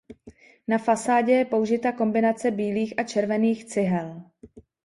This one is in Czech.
Na fasádě je použita kombinace bílých a červených cihel.